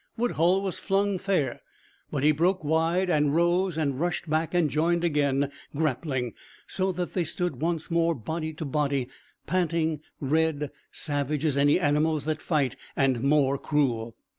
Woodhull was flung fair, but he broke wide and rose and rushed back and joined again, grappling; so that they stood once more body to body, panting, red, savage as any animals that fight, and more cruel.